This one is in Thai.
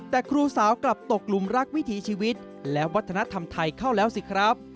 แต่ครูสาวกลับตกหลุมรักวิถีชีวิตและวัฒนธรรมไทยเข้าแล้วสิครับ